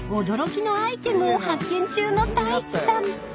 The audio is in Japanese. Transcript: ［驚きのアイテムを発見中の太一さん］